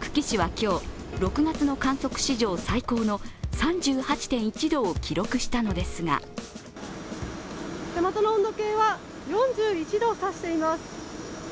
久喜市は今日、６月の観測史上最高の３８．１度を記録したのですが手元の温度計は４１度を指しています。